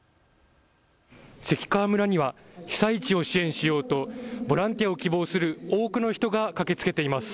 関川村には被災地を支援しようとボランティアを希望する多くの人が駆けつけています。